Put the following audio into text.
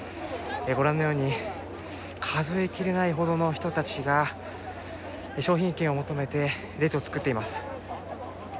ご覧のように数え切れないほどの人たちが商品券を求めて列を作っています。